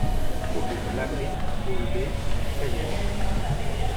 Faubourg l'Abri All B à Cayenne